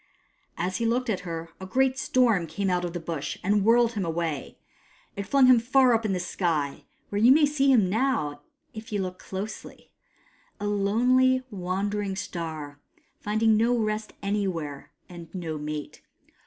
As he looked at her, a great storm came out of the Bush and whirled him away. It flung him far up in the sky, where you may see him now, if you look closely : a lonely, wandering star, finding no rest anywhere, and no mate.